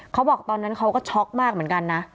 เขาบอกตอนนั้นเขาก็ช็อกมากเหมือนกันนะ